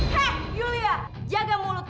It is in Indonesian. hei yulia jaga mulutmu